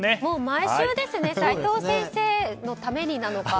毎週ですね齋藤先生のためになのか。